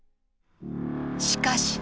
しかし。